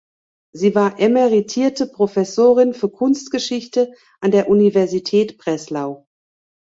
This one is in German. Sie war emeritierte Professorin für Kunstgeschichte an der Universität Breslau.